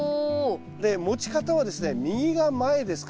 で持ち方はですね右が前ですか？